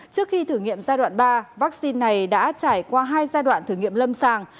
trước khi thử nghiệm giai đoạn ba vaccine này đã trải qua hai giai đoạn thử nghiệm lâm sàng